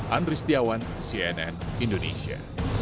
andri setiawan cnn indonesia